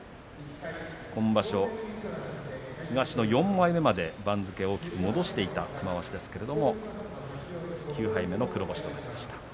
今場所、東の４枚目まで番付を大きく戻していた玉鷲ですが９敗目の黒星となりました。